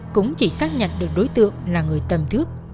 cũng chỉ xác nhận được đối tượng là người tâm thước